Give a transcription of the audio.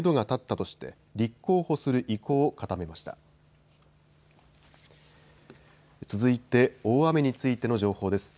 続いて、大雨についての情報です。